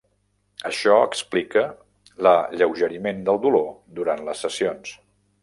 Això explica l'alleugeriment del dolor durant les sessions.